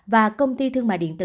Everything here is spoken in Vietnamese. và công ty thương mại điện tử